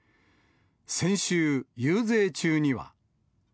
先週、遊説中には。